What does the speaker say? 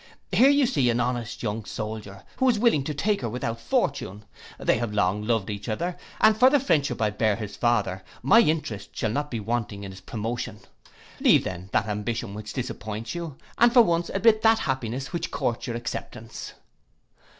Here you see an honest young soldier, who is willing to take her without fortune; they have long loved each other, and for the friendship I bear his father, my interest shall not be wanting in his promotion. Leave then that ambition which disappoints you, and for once admit that happiness which courts your acceptance.